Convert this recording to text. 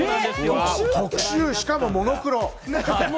しかもモノクロ！